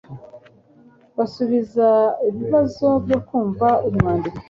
basubiza ibibazo byo kumva umwandiko